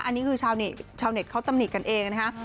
อันนี้คือชาวเน็ตเขาตำหนิกันเองนะคะ